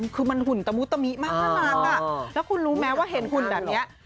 คือมันหุ่นตะมุตมิมากน่ารักอ่ะแล้วคุณรู้ไหมว่าเห็นหุ่นแบบนี้